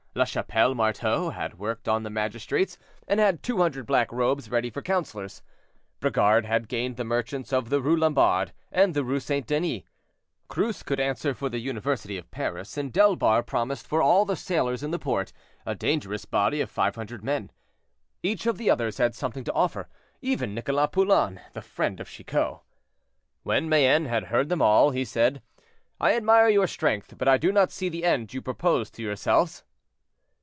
Lachapelle Marteau had worked on the magistrates and had 200 black robes ready for councilors. Brigard had gained the merchants of the Rue Lombards and the Rue St. Denis. Cruce could answer for the University of Paris, and Delbar promised for all the sailors in the port, a dangerous body of 500 men. Each of the others had something to offer, even Nicholas Poulain, the friend of Chicot. When Mayenne had heard them all, he said, "I admire your strength, but I do not see the end you propose to yourselves."